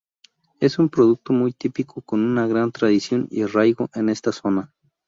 Es un producto muy típico con una gran tradición y arraigo en esta zona.